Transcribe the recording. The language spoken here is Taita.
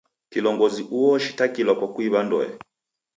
Kilongozi uo oshitakilwa kwa kuiw'a ndoe.